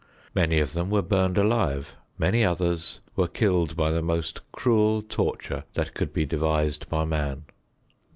Many of them were burned alive, many others were killed by the most cruel torture that could be devised by man.